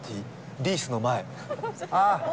リースの前ああ